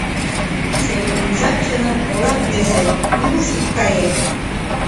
Семонемжат, чынак, Ола презе, нигуш ит кае!